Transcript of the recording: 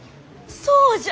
そうじゃ！